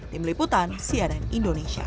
di meliputan sianen indonesia